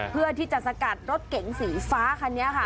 เพื่อที่จะสกัดรถเก๋งสีฟ้าคันนี้ค่ะ